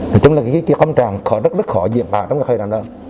nói chung là cái công trạng rất khó diễn phạt trong cái thời gian đó